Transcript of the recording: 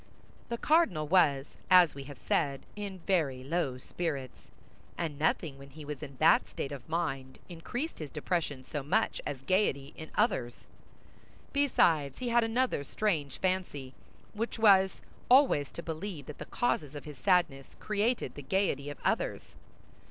The cardinal was, as we have said, in very low spirits; and nothing when he was in that state of mind increased his depression so much as gaiety in others. Besides, he had another strange fancy, which was always to believe that the causes of his sadness created the gaiety of others.